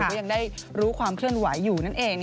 ก็ยังได้รู้ความเคลื่อนไหวอยู่นั่นเอง